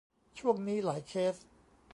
ช่วงนี้หลายเคส